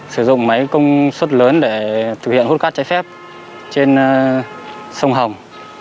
sử dụng máy công suất lớn để thực hiện hút cát trái phép trên sông hồng